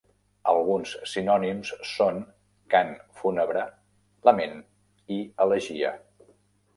Alguns sinònims són "cant fúnebre", "lament" i "elegia".